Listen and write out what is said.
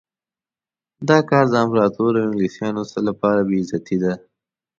دا کار د امپراطور او انګلیسیانو لپاره بې عزتي ده.